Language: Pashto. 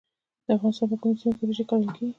د افغانستان په کومو سیمو کې وریجې کرل کیږي؟